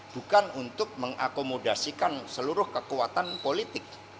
bukan untuk mengakomodasikan seluruh kekuatan politik